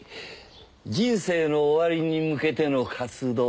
人生の終わりに向けての活動。